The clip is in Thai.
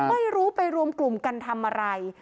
ไม่รู้ไปรวมกลุ่มกันทำอะไร